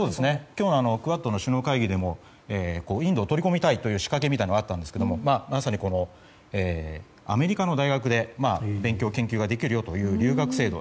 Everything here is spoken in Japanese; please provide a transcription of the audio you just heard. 今日のクアッドの首脳会議でもインドを取り込みたいという仕掛けみたいなものはあったんですがまさにアメリカの大学で勉強・研究ができる留学制度